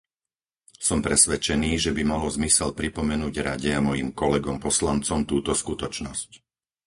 Som presvedčený, že by malo zmysel pripomenúť Rade a mojim kolegom poslancom túto skutočnosť.